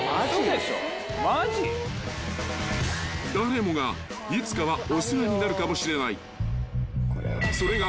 ［誰もがいつかはお世話になるかもしれないそれが］